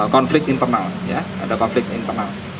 konflik internal ya ada konflik internal